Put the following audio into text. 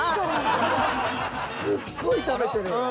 すっごい食べてる。